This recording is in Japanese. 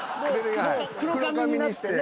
黒髪になってね。